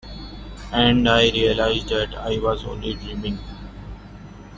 And I realize that I was only dreaming.